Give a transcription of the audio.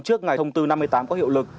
trước ngày thông tư năm mươi tám có hiệu lực